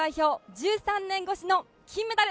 １３年越しの金メダル